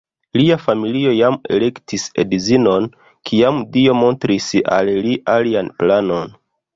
Lia familio jam elektis edzinon, kiam Dio montris al li alian planon.